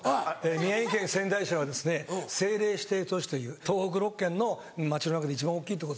宮城県仙台市は政令指定都市という東北６県の町の中で一番大きいとこですよ。